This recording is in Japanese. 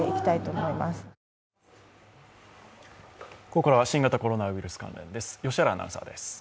ここからは新型コロナウイルス関連です。